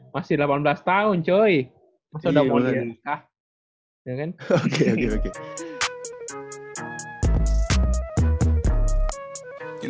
masih delapan belas tahun cuy masa udah mulia nih kak gak kan